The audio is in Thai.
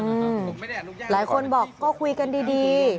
อืมหลายคนบอกก็คุยกันดี